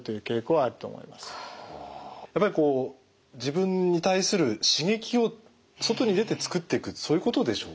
やっぱりこう自分に対する刺激を外に出てつくっていくそういうことでしょうか？